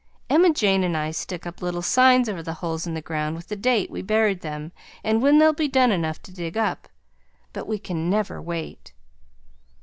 Emma Jane and I stick up little signs over the holes in the ground with the date we buried them and when they'll be done enough to dig up, but we can never wait.